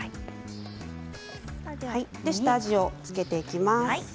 下味を付けていきます。